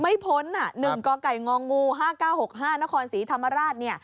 ไม่พ้นหนึ่งก็ไก่งองงู๕๙๖๕นครศรีธรรมราช